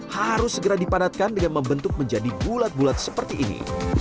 harus segera dipadatkan dengan membentuk menjadi bulat bulat seperti ini